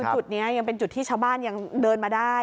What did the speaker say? จุดนี้ยังเป็นจุดที่ชาวบ้านยังเดินมาได้